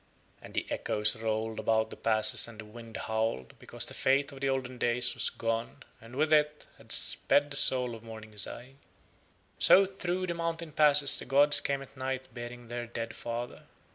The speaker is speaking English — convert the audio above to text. And the echoes rolled about the passes and the winds howled, because the faith of the olden days was gone, and with it had sped the soul of Morning Zai. So through the mountain passes the gods came at night bearing Their dead father.